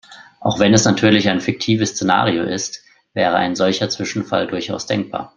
Auch wenn es natürlich ein fiktives Szenario ist, wäre ein solcher Zwischenfall durchaus denkbar.